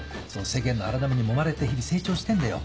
世間の荒波にもまれて日々成長してんだよ。